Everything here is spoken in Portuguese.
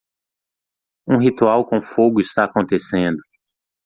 Um ritual com fogo está acontecendo.